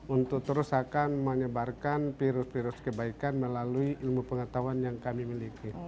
untuk terus akan menyebarkan virus virus kebaikan melalui ilmu pengetahuan yang kami miliki